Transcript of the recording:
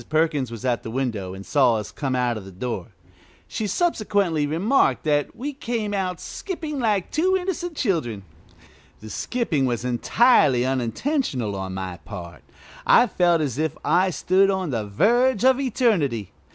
Perkins was at the window and saw us come out of the door. She subsequently remarked that we came out skipping like two innocent children. The skipping was entirely unintentional on my part. I felt as if I stood on the verge of eternity.